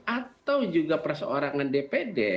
atau juga persoarangan dpd